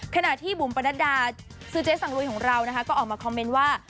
ขณะที่บุ๋มประดารสือเจสังหลุยของเราก็ออกมาคอมเมนต์ว่า